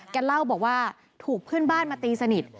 เล่าบอกว่าถูกเพื่อนบ้านมาตีสนิท